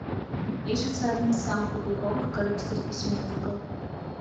Лічыцца адным з самых уплывовых карыбскіх пісьменнікаў.